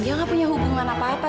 dia nggak punya hubungan apa apa